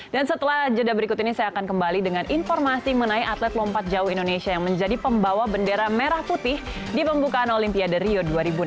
dan setelah jeda berikut ini saya akan kembali dengan informasi mengenai atlet lompat jauh indonesia yang menjadi pembawa bendera merah putih di pembukaan olimpiade rio dua ribu enam belas